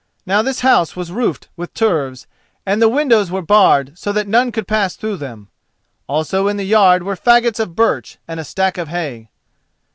Now this house was roofed with turves, and the windows were barred so that none could pass through them. Also in the yard were faggots of birch and a stack of hay.